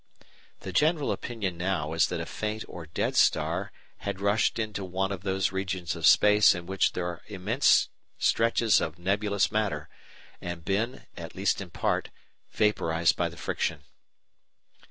The general opinion now is that a faint or dead star had rushed into one of those regions of space in which there are immense stretches of nebulous matter, and been (at least in part) vaporised by the friction.